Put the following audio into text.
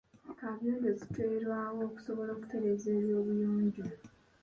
Kaabuyonjo ziteerwawo okusobola okutereeza eby'obuyonjo.